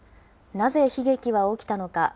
なぜ、悲劇は起きたのか。